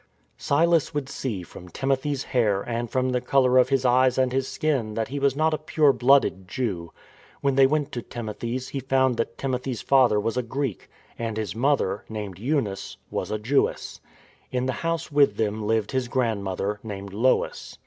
Silas would see from Timothy's hair and from the colour of his eyes and his skin that he was not a pure blooded Jew. When they went to Timothy's he found that Timothy's father was a Greek, and his mother, named Eunice, was a Jewess. In the house with them lived his grandmother, named Lois.